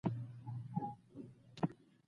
که چا لاهور نه وي لیدلی.